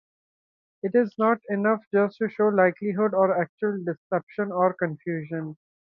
It is not enough just to show likelihood or actual deception or confusion.